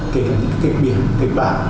kể cả những kịch biển kịch bản